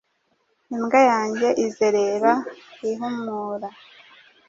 imbwa yanjye izerera ihumura